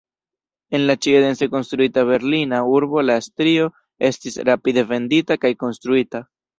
En la ĉie dense konstruita berlina urbo la strio estis rapide vendita kaj konstruita.